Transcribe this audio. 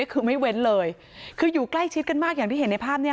คือไม่เว้นเลยคืออยู่ใกล้ชิดกันมากอย่างที่เห็นในภาพเนี่ยค่ะ